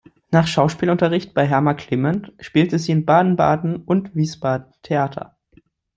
Nach Schauspielunterricht bei Herma Clement spielte sie in Baden-Baden und Wiesbaden Theater.